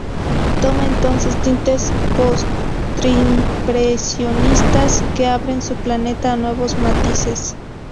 Toma entonces tintes postimpresionistas, que abren su paleta a nuevos matices.